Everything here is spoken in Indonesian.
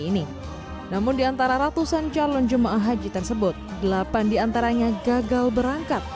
ini namun diantara ratusan calon jemaah haji tersebut delapan diantaranya gagal berangkat